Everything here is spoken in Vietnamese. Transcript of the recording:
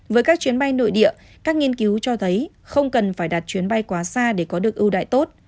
với các chuyến bay nội địa các nghiên cứu cho thấy không cần phải đặt chuyến bay quá xa để có được ưu đại tốt